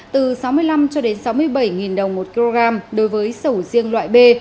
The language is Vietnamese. từ sáu mươi năm cho đến sáu mươi bảy đồng một kg đối với sầu riêng loại b